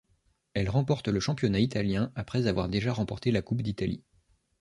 Elle remporte le championnat italien après avoir déjà remporté la Coupe d'Italie.